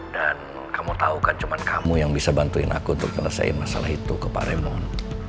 dan kamu tau kan cuman kamu yang bisa bantuin aku untuk ngelesain masalah itu ke pak raymond